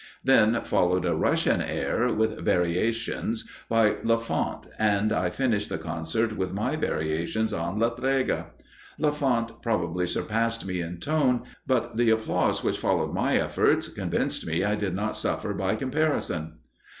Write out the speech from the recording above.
Then followed a Russian air, with variations, by Lafont, and I finished the concert with my variations on "le Streghe." Lafont probably surpassed me in tone, but the applause which followed my efforts convinced me I did not suffer by comparison."